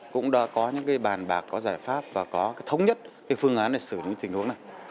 cũng đã có những bàn bạc có giải pháp và có thống nhất phương án để xử lý tình huống này